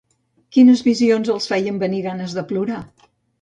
Quines visions els feien venir ganes de plorar?